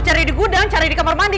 cari di gudang cari di kamar mandi